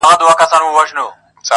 زوى ئې غوښت، خېر ئې نه غوښت.